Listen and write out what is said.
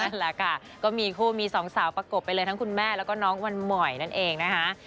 นั่นแหละค่ะก็มีคู่มีสองสาวประกบไปเลยทั้งคุณแม่แล้วก็น้องวันหม่อยนั่นเองนะคะ